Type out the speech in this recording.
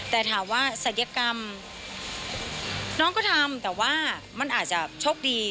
แต่ถามว่าศัลยกรรมน้องก็ทำแต่ว่ามันอาจจะโชคดี